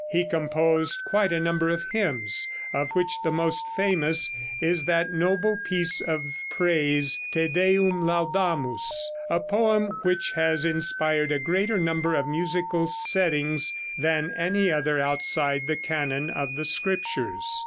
He composed quite a number of hymns, of which the most famous is that noble piece of praise, Te Deum Laudamus, a poem which has inspired a greater number of musical settings than any other outside the canon of the Scriptures.